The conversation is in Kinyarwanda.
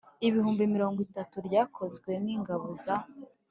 ibihumbi mirongo itatu ryakozwe n'ingabo za